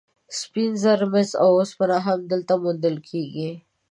سپین زر، مس او اوسپنه هم دلته موندل کیږي.